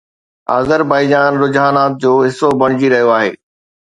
Azerbaijan رجحانات جو حصو بڻجي رهيو آهي